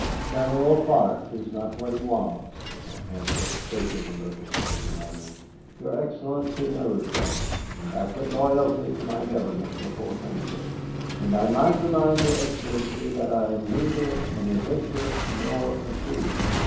"General Clark is not what he was," I replied, chafing a little at his manner; "your Excellency knows that, and I put loyalty to my government before friendship. And I might remind your Excellency that I am neither an adventurer nor a fool."